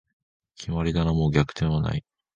決まりだな、もう逆転はない